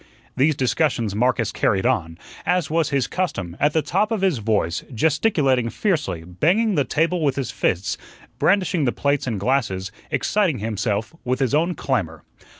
These discussions Marcus carried on, as was his custom, at the top of his voice, gesticulating fiercely, banging the table with his fists, brandishing the plates and glasses, exciting himself with his own clamor.